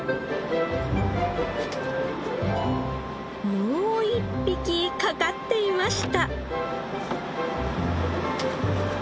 もう一匹かかっていました。